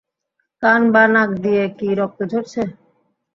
কান বা নাক দিয়ে কি রক্ত ঝরছে?